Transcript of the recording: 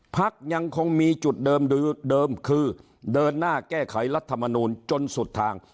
พักยังคงมีจุดเดิมคือเดินหน้าแก้ไขรัฐมนูลจนสุดทาง